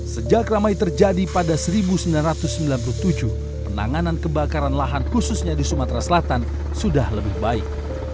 sejak ramai terjadi pada seribu sembilan ratus sembilan puluh tujuh penanganan kebakaran lahan khususnya di sumatera selatan sudah lebih baik